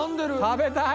食べたい！